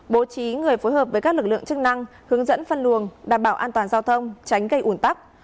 bố trí người phối hợp với các lực lượng chức năng hướng dẫn phân luồng đảm bảo an toàn giao thông tránh gây ủn tắc